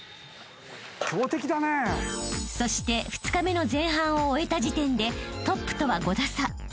［そして２日目の前半を終えた時点でトップとは５打差］